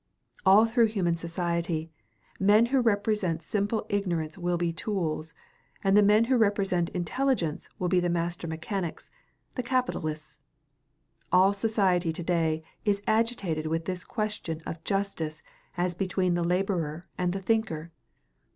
All through human society, men who represent simple ignorance will be tools, and the men who represent intelligence will be the master mechanics, the capitalists. All society to day is agitated with this question of justice as between the laborer and the thinker.